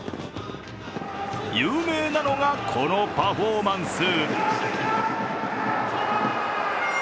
有名なのがこのパフォーマンス。